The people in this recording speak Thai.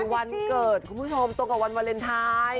วันเกิดตัวเงาะวันเวลนไทน์